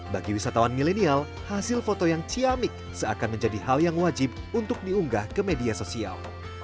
bagi wisatawan milenial hasil foto yang ciamik seakan menjadi hal yang wajib untuk diunggah ke media sosial